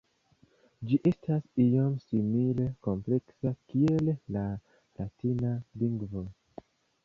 Ĝi estas iom simile kompleksa kiel la latina lingvo.